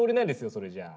それじゃあ。